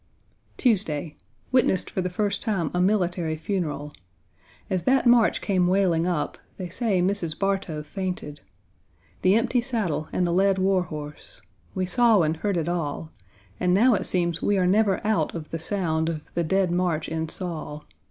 Tuesday. Witnessed for the first time a military funeral. As that march came wailing up, they say Mrs. Bartow fainted. The empty saddle and the led war horse we saw and heard it all, and now it seems we are never out of the sound of the Dead March in Saul.